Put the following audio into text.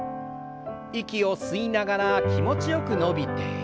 息を吸いながら気持ちよく伸びて。